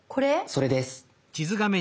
それです。